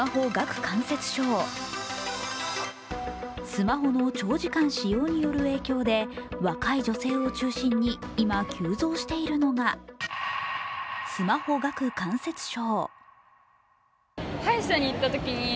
スマホの長時間使用による影響で、若い女性を中心に今、急増しているのがスマホ顎関節症。